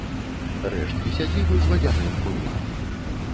Рэшткі сядзібы з вадзяным млынам.